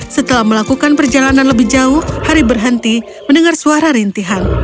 setelah melakukan perjalanan lebih jauh hari berhenti mendengar suara rintihan